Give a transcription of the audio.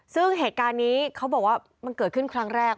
ซึ่งเหตุการณ์นี้เขาบอกว่ามันเกิดขึ้นครั้งแรก